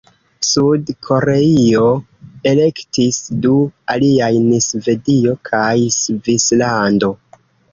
Sud-Koreio elektis du aliajn: Svedio kaj Svislando.